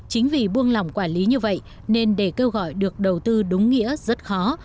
chính vì buông lỏng quản lý như vậy nên để kêu gọi được đầu tư đúng nghĩa rất khó